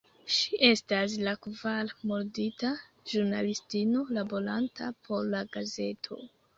Ŝi estas la kvara murdita ĵurnalistino laboranta por la gazeto.